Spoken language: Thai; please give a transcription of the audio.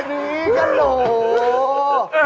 แค่นี้จัดโหล